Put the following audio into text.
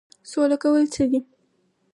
سوله کول څه دي؟